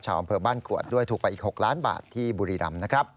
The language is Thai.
อำเภอบ้านกรวดด้วยถูกไปอีก๖ล้านบาทที่บุรีรำนะครับ